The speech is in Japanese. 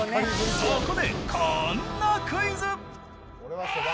そこでこんなクイズ。